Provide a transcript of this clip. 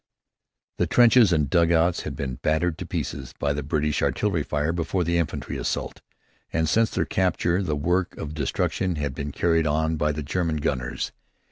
The trenches and dugouts had been battered to pieces by the British artillery fire before the infantry assault, and since their capture the work of destruction had been carried on by the German gunners.